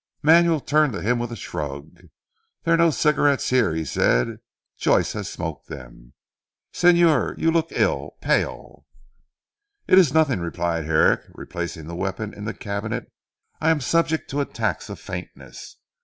Manuel turned to him with a shrug. "There are no cigarettes here," he said, "Joyce has smoked them. Señor you look ill pale." "It is nothing," replied Herrick, replacing the weapon in the cabinet "I am subject to attacks of faintness.